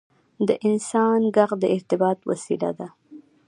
• د انسان ږغ د ارتباط وسیله ده.